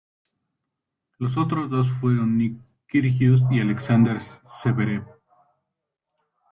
Los otros dos fueron Nick Kyrgios y Alexander Zverev.